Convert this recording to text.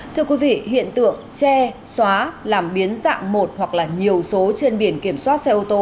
thưa quý vị hiện tượng che xóa làm biến dạng một hoặc là nhiều số trên biển kiểm soát xe ô tô